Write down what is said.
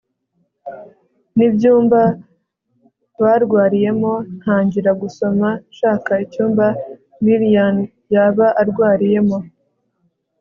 nibyumba barwariyemo ntangira gusoma nshaka icyumba lilian yaba arwariyemo